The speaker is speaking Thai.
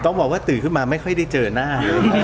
ต้องบอกว่าตื่นขึ้นมาไม่ค่อยได้เจอหน้า